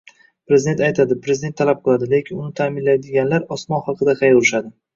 Prezident aytadi, Prezident talab qiladi, lekin uni ta'minlaydiganlar osmon haqida qayg'urishadi